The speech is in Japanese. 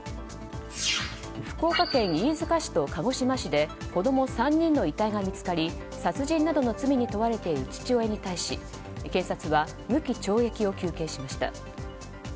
福岡県飯塚市と鹿児島市で子供３人の遺体が見つかり殺人などの罪に問われている父親に対し検察は無期懲役を求刑しました。